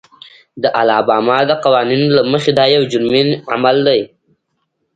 د الاباما د قوانینو له مخې دا یو جرمي عمل و.